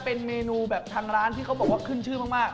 เป็นเมนูแบบทางร้านที่เขาบอกว่าขึ้นชื่อมาก